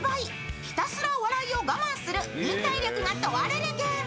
ひたすら笑いを我慢する忍耐力が問われるゲーム。